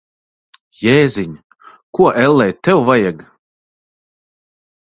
Jēziņ! Ko, ellē, tev vajag?